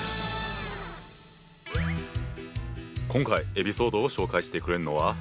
今回エピソードを紹介してくれるのは。